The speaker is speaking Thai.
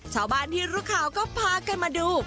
ชาวบ้านที่รู้ข่าวก็พากันมาดู